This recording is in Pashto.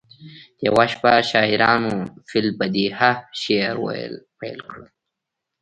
یوه شپه شاعرانو فی البدیهه شعر ویل پیل کړل